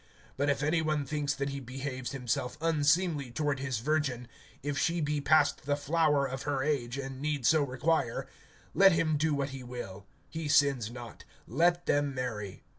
(36)But if any one thinks that he behaves himself unseemly toward his virgin, if she be past the flower of her age, and need so require, let him do what he will, he sins not; let them marry.